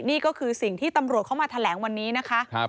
นี่ก็คือสิ่งที่ตำรวจเข้ามาแถลงวันนี้นะคะ